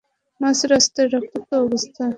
মাঝ রাস্তায় রক্তাক্ত অবস্থায়?